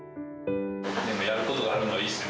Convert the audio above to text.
でも、やることがあるのはいいですね。